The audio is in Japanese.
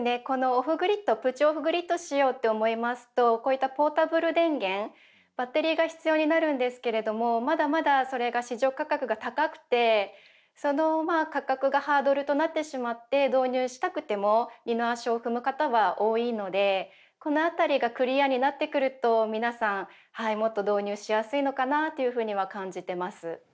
このオフグリッドプチオフグリッドしようって思いますとこういったポータブル電源バッテリーが必要になるんですけれどもまだまだそれが市場価格が高くてその価格がハードルとなってしまって導入したくても二の足を踏む方は多いのでこのあたりがクリアになってくると皆さんもっと導入しやすいのかなというふうには感じてます。